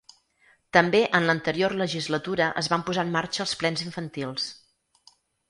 També en l’anterior legislatura es van posar en marxa els plens infantils.